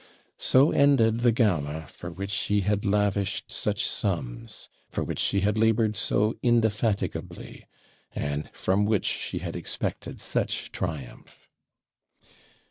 So ended the gala for which she had lavished such sums; for which she had laboured so indefatigably; and from which she had expected such triumph.